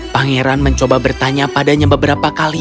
pangeran mencoba bertanya padanya beberapa kali